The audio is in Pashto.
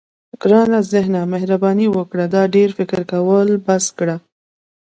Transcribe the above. ګرانه ذهنه مهرباني وکړه دا ډېر فکر کول بس کړه.